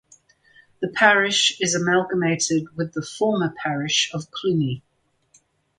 The parish is amalgamated with the former parish of Clooney.